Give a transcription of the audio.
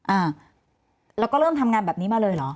อ่าแล้วก็เริ่มทำงานแบบนี้มาเลยเหรอ